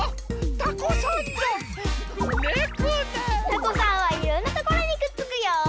タコさんはいろんなところにくっつくよ。